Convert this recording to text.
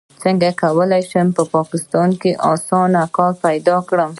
څنګه کولی شم په پاکستان کې اسانه کار پیدا کړم